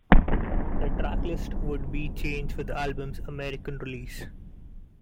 The track list would be changed for the album's American release.